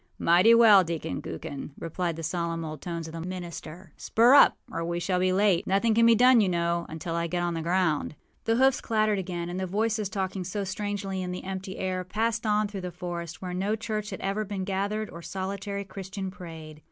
â âMighty well, Deacon Gookin!â replied the solemn old tones of the minister. âSpur up, or we shall be late. Nothing can be done, you know, until I get on the ground.â The hoofs clattered again; and the voices, talking so strangely in the empty air, passed on through the forest, where no church had ever been gathered or solitary Christian prayed.